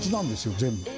全部。